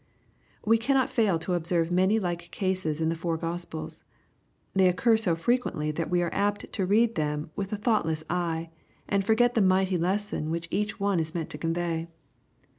We cannot fail to observe many like cases in the four Gospels. They occur so frequently that we are apt to read them with a thoughtless eye, and forget the mighty lesson which each one is meant to convey.